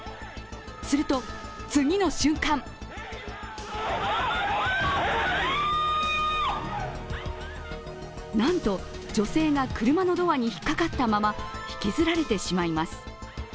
すると、次の瞬間なんと女性が車のドアに引っ掛かったまま引きずられてしまいます。